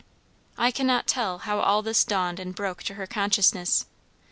I cannot tell how all this dawned and broke to her consciousness.